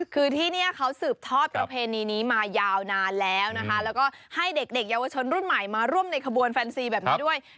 คือที่นี่เขาสืบทอดประเพณีนี้มายาวนานแล้วนะคะแล้วก็ให้เด็กเยาวชนรุ่นใหม่มาร่วมในขบวนแฟนซีแบบนี้ด้วย